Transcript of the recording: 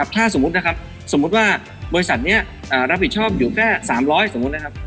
ถ้าสมมุตินะครับสมมุติว่าบริษัทนี้รับผิดชอบอยู่แค่๓๐๐สมมุตินะครับ